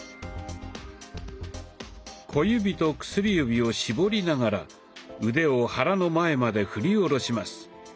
小指と薬指を絞りながら腕を肚の前まで振り下ろします。